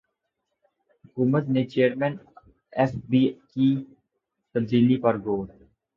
حکومت کا chairman F B کی تبدیلی پر غور